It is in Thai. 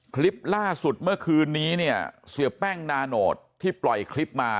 คลิปล่าสุดเมื่อคืนนี้เนี่ยเสียแป้งนาโนตที่ปล่อยคลิปมา